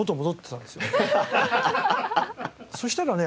そしたらね